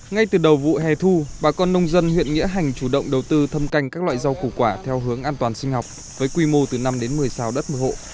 ngay từ đầu vụ hè thu bà con nông dân huyện nghĩa hành chủ động đầu tư thâm canh các loại rau củ quả theo hướng an toàn sinh học với quy mô từ năm đến một mươi sao đất mưa hộ